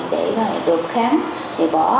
để được khám để bỏ